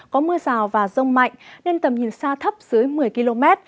có mưa rào và rông mạnh nên tầm nhìn xa thấp dưới một mươi km